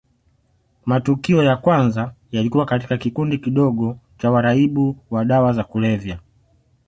Matukio ya kwanza yalikuwa katika kikundi kidogo cha waraibu wa dawa za kulevya